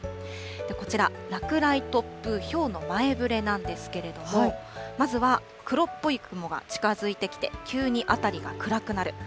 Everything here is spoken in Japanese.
こちら、落雷、突風、ひょうの前ぶれなんですけれども、まずは黒っぽい雲が近づいてきて、急に辺りが暗くなる。